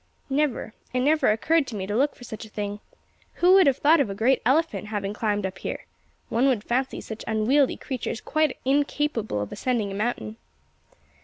"Never. It never occurred to me to look for such a thing. Who would have thought of a great elephant having climbed up here? One would fancy such unwieldy creatures quite incapable of ascending a mountain."